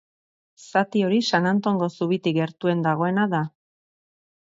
Zati hori San Antongo zubitik gertuen dagoena da.